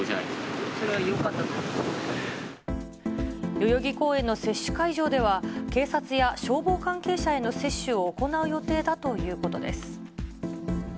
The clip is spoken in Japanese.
代々木公園の接種会場では、警察や消防関係者への接種を行う予定だということです。